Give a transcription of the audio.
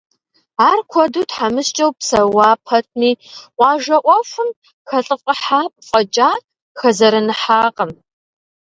Ар куэду тхьэмыщкӏэу псэуа пэтми, къуажэ ӏуэхум хэлӏыфӏыхьа фӏэкӏа, хэзэрэныхьакъым.